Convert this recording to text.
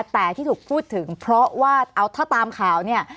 แต่ที่ถูกพูดถึงเพราะว่าเอาถ้าตามข่าวเนี่ย